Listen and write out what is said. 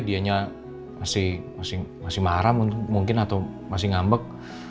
dianya masih mahram mungkin atau masih ngambek